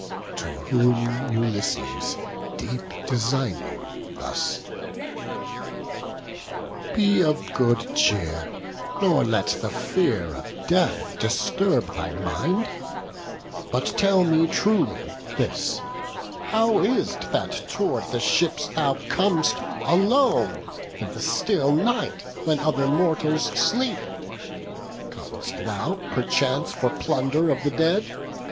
To whom Ulysses, deep designing, thus: "Be of good cheer; nor let the fear of death Disturb thy mind; but tell me truly this; How is 't that tow'rd the ships thou com'st alone, In the still night, when other mortals sleep? Com'st thou perchance for plunder of the dead?